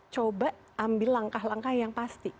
coba ambil langkah langkah yang pasti